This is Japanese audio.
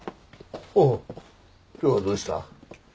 おお今日はどうした？